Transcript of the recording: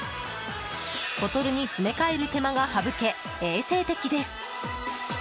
ボトルに詰め替える手間が省け衛生的です。